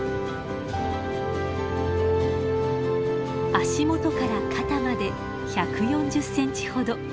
足元から肩まで１４０センチほど。